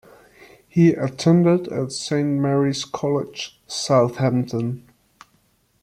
He attended Saint Mary's College, Southampton.